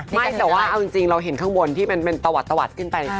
ไม่แต่ว่าเอาจริงเราเห็นข้างบนที่เป็นตะวัดตะวัดขึ้นไป